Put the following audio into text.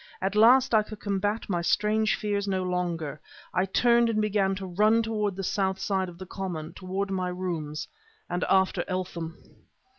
At last I could combat my strange fears no longer. I turned and began to run toward the south side of the common toward my rooms and after Eltham.